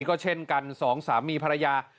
ก็เช่นกันสองสามีภรรยา